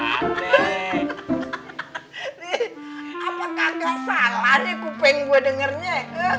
ini apakah nggak salah nih kuping gue dengernya